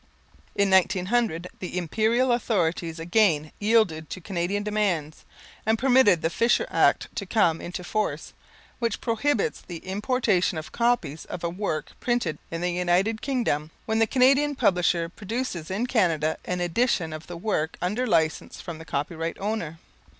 In 1900, the Imperial authorities again yielded to Canadian demands, and permitted the Fisher Act to come into force, which prohibits the importation of copies of a work printed in the United Kingdom, when the Canadian publisher produces in Canada an edition of the work under license from the copyright owner.